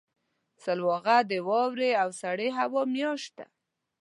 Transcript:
سلواغه د واورې او سړې هوا میاشت ده.